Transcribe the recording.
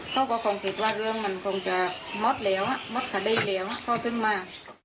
เขาก็คงคิดว่าเรื่องมันคงจะม็อตแล้วม็ดคดีแล้วเขาถึงมา